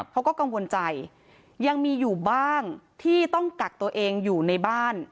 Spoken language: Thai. เขาก็กังวลใจยังมีอยู่บ้างที่ต้องกักตัวเองอยู่ในบ้าน